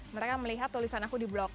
mereka melihat tulisan aku di blok